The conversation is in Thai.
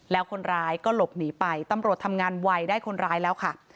แล้วคนร้ายก็หลบหนีไปตำรวจทำงานไวได้คนร้ายแล้วค่ะ